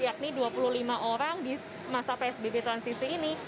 yakni dua puluh lima orang di masa psbb transisi ini